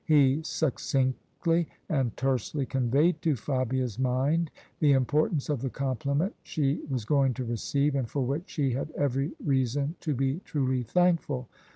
He succinctly and tersely conveyed to Fabia's mind the importance of the compliment she was going to receive and for which she had every reason to be truly thankful.